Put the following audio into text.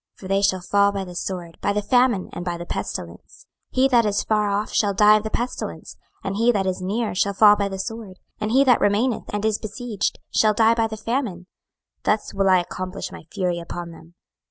for they shall fall by the sword, by the famine, and by the pestilence. 26:006:012 He that is far off shall die of the pestilence; and he that is near shall fall by the sword; and he that remaineth and is besieged shall die by the famine: thus will I accomplish my fury upon them.